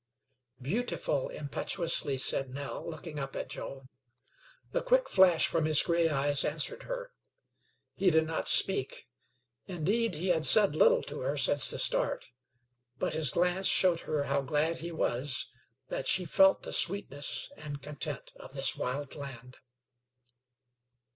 "Beautiful!" impetuously said Nell, looking up at Joe. A quick flash from his gray eyes answered her; he did not speak; indeed he had said little to her since the start, but his glance showed her how glad he was that she felt the sweetness and content of this wild land.